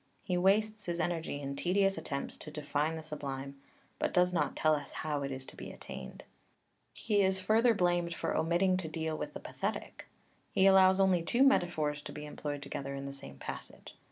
He wastes his energy in tedious attempts to define the Sublime, but does not tell us how it is to be attained (I. i.) He is further blamed for omitting to deal with the Pathetic (VIII. i. sqq.) He allows only two metaphors to be employed together in the same passage (XXXII.